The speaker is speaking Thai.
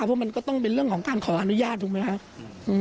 เพราะมันก็ต้องเป็นเรื่องของการขออนุญาตถูกไหมครับ